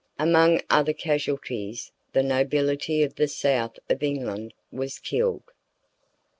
Among other casualties, the nobility of the South of England was killed.